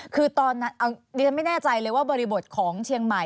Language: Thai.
คือตอนนั้นดิฉันไม่แน่ใจเลยว่าบริบทของเชียงใหม่